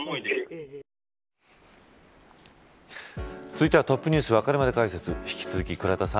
続いてはＴｏｐｎｅｗｓわかるまで解説